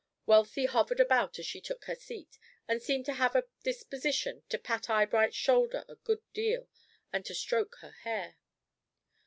Wealthy hovered about as she took her seat, and seemed to have a disposition to pat Eyebright's shoulder a good deal, and to stroke her hair.